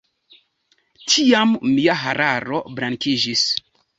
Tiam mia hararo blankiĝis.